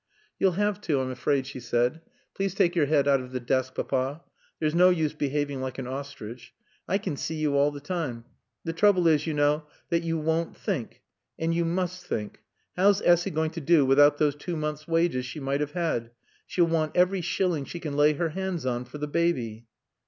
"You'll have to, I'm afraid," she said. "Please take your head out of the desk, Papa. There's no use behaving like an ostrich. I can see you all the time. The trouble is, you know, that you won't think. And you must think. How's Essy going to do without those two months' wages she might have had? She'll want every shilling she can lay her hands on for the baby."